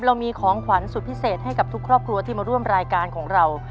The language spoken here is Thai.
เรามีของขวัญสุดพิเศษให้กับทุกครอบครัวที่มาร่วมรายการของเรา